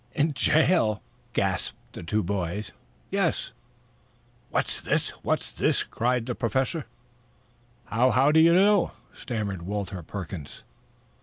"In jail?" gasped the two boys. "Yes." "What's this? What's this?" cried the Professor. "How how do you know?" stammered Walter Perkins.